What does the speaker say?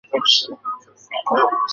每个战役有多种级别的难度。